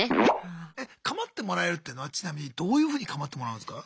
構ってもらえるっていうのはちなみにどういうふうに構ってもらうんすか？